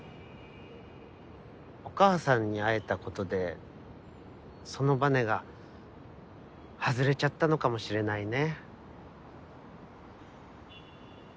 お母さんに会えたことでそのばねが外れちゃったのかもしれないね。